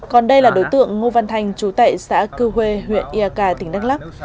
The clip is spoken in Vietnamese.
còn đây là đối tượng ngô văn thành trú tại xã cư huê huyện eak tỉnh đắk lắk